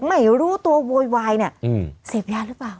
ไม่รู้ตัวโวยวายเนี่ยเสพยาหรือเปล่า